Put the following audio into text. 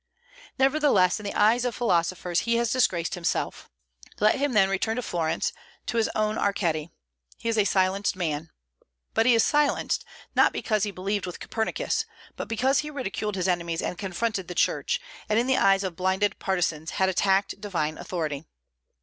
Nevertheless, in the eyes of philosophers he has disgraced himself. Let him then return to Florence, to his own Arceti. He is a silenced man. But he is silenced, not because he believed with Copernicus, but because he ridiculed his enemies and confronted the Church, and in the eyes of blinded partisans had attacked divine authority.